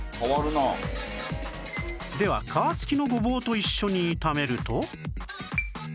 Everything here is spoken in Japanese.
では皮付きのごぼうと一緒に炒めると